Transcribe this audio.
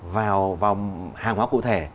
vào hàng hóa cụ thể